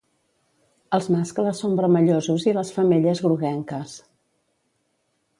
Els mascles són vermellosos i les femelles groguenques.